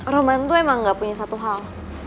roman tuh emang gak punya satu hal